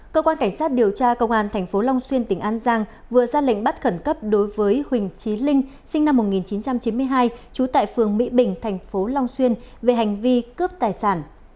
cơ quan cảnh sát điều tra công an tp long xuyên tỉnh an giang vừa ra lệnh bắt khẩn cấp đối với huỳnh trí linh sinh năm một nghìn chín trăm chín mươi hai trú tại phường mỹ bình tp long xuyên về hành vi cướp tài sản